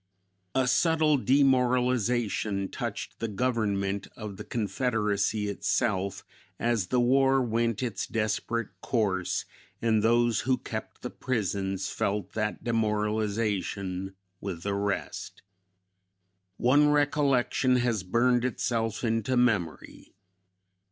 A subtle demoralization touched the government of the Confederacy itself as the war went its desperate course, and those who kept the prisons felt that demoralization with the rest." One recollection has burned itself into memory.